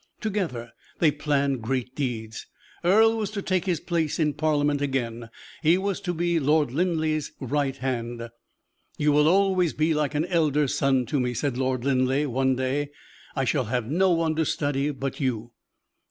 Together they planned great deeds. Earle was to take his place in Parliament again; he was to be Lord Linleigh's right hand. "You will always be like an elder son to me," said Lord Linleigh one day. "I shall have no one to study but you."